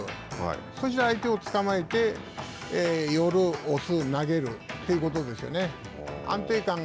そして相手をつかまえて寄る、押す、投げるということですよね。